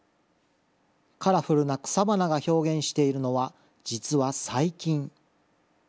カラフルな草花が表現しているのは、実は細菌。